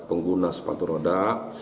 pengguna sepatu roda